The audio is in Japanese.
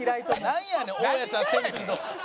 なんやねん「大家さんテニスどう？」。